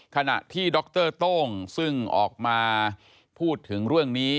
ขณะที่ดรโต้งซึ่งออกมาพูดถึงเรื่องนี้